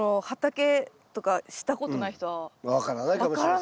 分からないかもしれませんね。